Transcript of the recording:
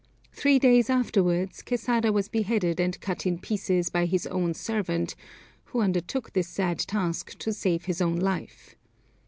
Three days afterwards, Quesada was beheaded and cut in pieces by his own servant, who undertook this sad task to save his own life.